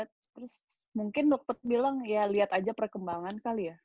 terus mungkin dokter bilang ya lihat aja perkembangan kali ya